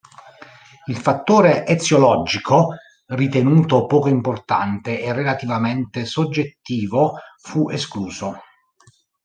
Il fattore eziologico, ritenuto poco importante e relativamente soggettivo, fu escluso.